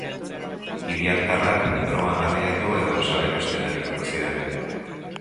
Idiartarrak droga garraiatu edo salerosten arituko ziren.